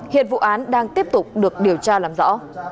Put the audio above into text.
hiện vụ án đang tiếp tục được điều tra làm rõ